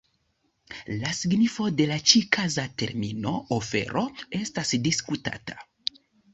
La signifo de la ĉi-kaza termino "ofero" estas diskutata.